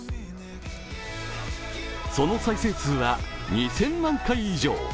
その再生数は２０００万回以上。